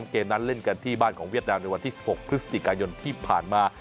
เกมนั้นเล่นกันที่บ้านของเวียดนามในวันที่๑๖พฤศจิกายนที่ผ่านมา